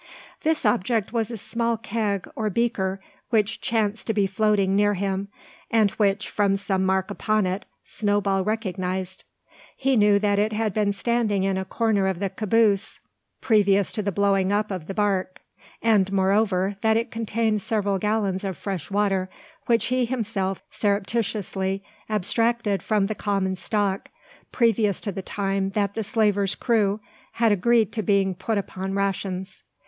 This object was a small keg, or beaker, which chanced to be floating near him, and which, from some mark upon it, Snowball recognised. He knew that it had been standing in a corner of the caboose, previous to the blowing up of the bark; and, moreover, that it contained several gallons of fresh water, which he had himself surreptitiously abstracted from the common stock, previous to the time that the slaver's crew had agreed to being put upon rations.